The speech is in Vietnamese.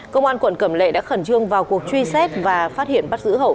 công an quận cẩm lệ đã khẩn trương vào cuộc truy xét và phát hiện bắt giữ hậu